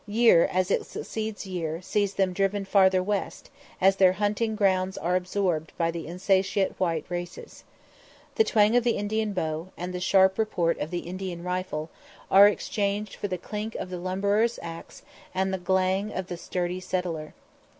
Year, as it succeeds year, sees them driven farther west, as their hunting grounds are absorbed by the insatiate white races. The twang of the Indian bow, and the sharp report of the Indian rifle, are exchanged for the clink of the lumberer's axe and the "g'lang" of the sturdy settler.